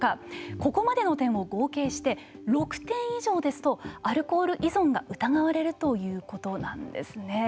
ここまでの点を合計して６点以上ですとアルコール依存が疑われるということなんですね。